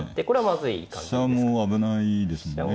これはまずい感じですか。